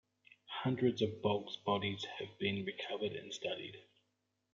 Hundreds of bog bodies have been recovered and studied.